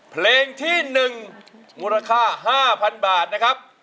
เพลงที่๑มูลค่า๕๐๐๐บาทนะครับ